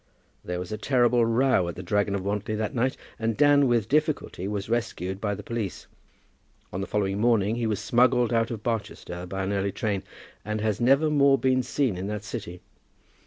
There was a terrible row at "The Dragon of Wantly" that night, and Dan with difficulty was rescued by the police. On the following morning he was smuggled out of Barchester by an early train, and has never more been seen in that city.